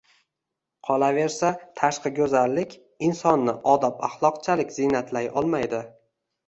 Qolaversa, tashqi go‘zallik insonni odob-axloqchalik ziynatlay olmaydi.